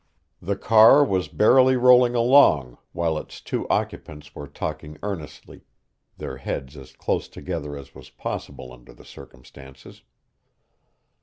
The car was barely rolling along, while its two occupants were talking earnestly, their heads as close together as was possible under the circumstances.